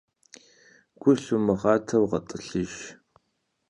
Гу лъумыгъатэу гъэтӏылъыж.